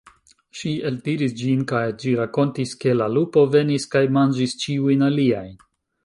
Ŝi eltiris ĝin kaj ĝi rakontis, ke la lupo venis kaj manĝis ĉiujn aliajn.